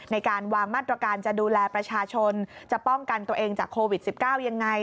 ในการวางมาตรการจะดูแลประชาชนจะป้องกันตัวเองจากโควิด๑๙ยังไง